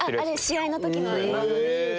試合の時の映像。